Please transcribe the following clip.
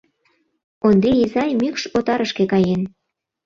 Ондрий изай мӱкш отарышке каен.